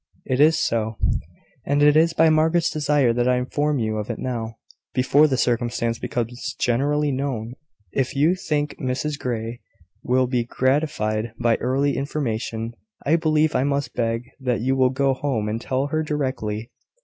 "It is so: and it is by Margaret's desire that I inform you of it now, before the circumstance becomes generally known. If you think Mrs Grey will be gratified by early information, I believe I must beg that you will go home and tell her directly.